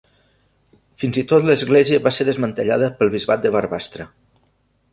Fins i tot, l'església va ser desmantellada pel Bisbat de Barbastre.